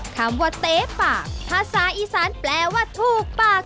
คำว่าเต๊ปากภาษาอีสานแปลว่าถูกปาก